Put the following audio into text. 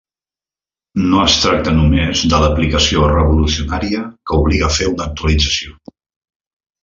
No es tracta només de l'aplicació revolucionària que obliga a fer una actualització.